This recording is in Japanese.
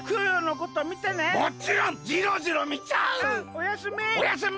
おやすみ！